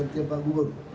seperti apa gubernur